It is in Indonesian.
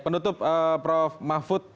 penutup prof mahfud